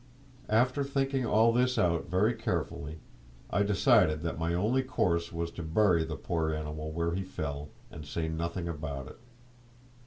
After thinking all this out very carefully, I decided that my only course was to bury the poor animal where he fell, and say nothing about it.